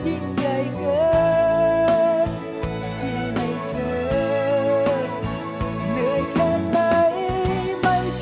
ไม่มีแบบคนไหนรักมาแค่ไหนยิ่งใหญ่เกินที่ไม่เจอ